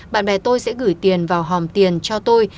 bạn bè tôi sẽ gửi tiền vào hòm tiền cho tôi